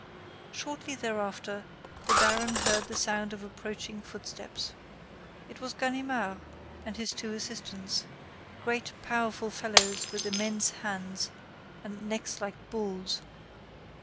Shortly thereafter, the baron heard the sound of approaching footsteps. It was Ganimard and his two assistants great, powerful fellows with immense hands, and necks like bulls.